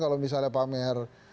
kalau misalnya pamer